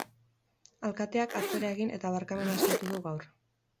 Alkateak atzera egin eta barkamena eskatu du gaur.